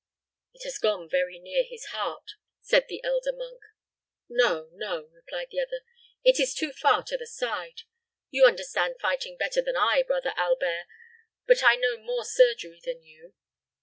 "It has gone very near his heart," said the elder monk. "No, no," replied the other; "it is too far to the side. You understand fighting better than I, Brother Albert, but I know more surgery than you.